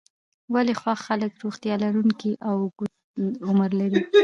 ولې خوښ خلک روغتیا لرونکی او اوږد عمر لري.